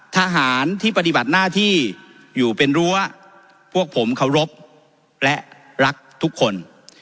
ทหารที่ปฏิบัติหน้าที่อยู่เป็นรั้วพวกผมเคารพและรักทุกคน